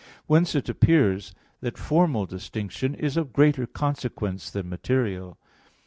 Whence it appears that formal distinction is of greater consequence than material.